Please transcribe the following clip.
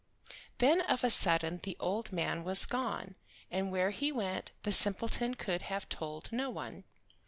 Then of a sudden the old man was gone, and where he went the simpleton could have told no one.